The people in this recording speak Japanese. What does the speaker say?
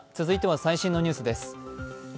続いては最新のニュースです。